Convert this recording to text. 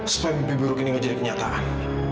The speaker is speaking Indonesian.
supaya mimpi buruk ini gak jadi kenyataan